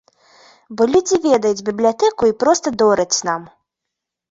Бо людзі ведаюць бібліятэку і проста дораць нам.